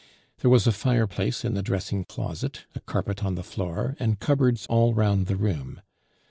There was a fireplace in the dressing closet, a carpet on the floor, and cupboards all round the room.